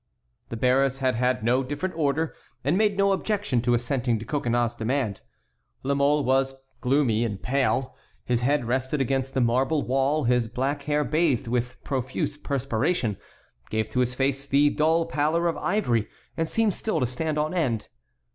The bearers had had no different order, and made no objection to assenting to Coconnas's demand. La Mole was gloomy and pale; his head rested against the marble wall; his black hair, bathed with profuse perspiration, gave to his face the dull pallor of ivory, and seemed still to stand on end.